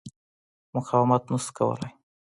مقاومت نه شو کولای.